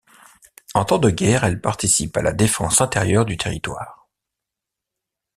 En temps de guerre, elle participe à la défense intérieure du territoire.